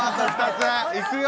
いくよ